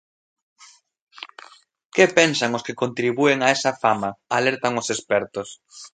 Que pensan os que contribúen a esa fama, alertan os expertos.